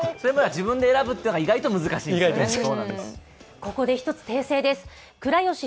自分で選ぶというのが意外と難しいんですよね。